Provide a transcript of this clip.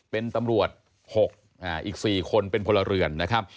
เป็นตำรวจ๖อีก๔คนเป็นพลเรือนนะครับ